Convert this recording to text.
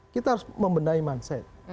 kita harus membenahi mindset